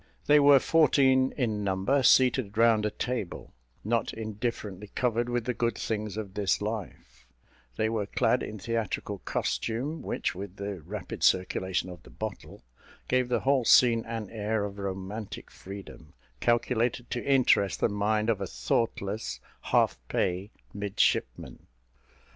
They were fourteen in number, seated round a table, not indifferently covered with the good things of this life; they were clad in theatrical costume, which, with the rapid circulation of the bottle, gave the whole scene an air of romantic freedom, calculated to interest the mind of a thoughtless half pay midshipman.